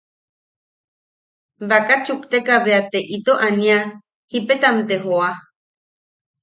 Baka chukteka bea te ito ania, jipetam te joa.